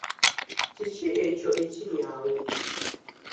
Kiki ekyo ekiri awo?